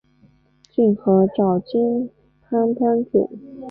骏河沼津藩藩主。